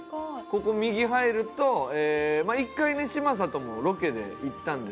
ここ右入ると一回ね嶋佐ともロケで行ったんですけどね